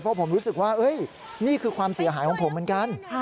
เพราะผมรู้สึกว่านี่คือความเสียหายของผมเหมือนกัน